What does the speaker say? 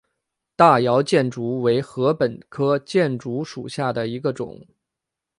大姚箭竹为禾本科箭竹属下的一个种。